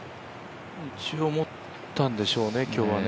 一応もったんでしょうね、今日はね。